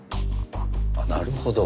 あっなるほど。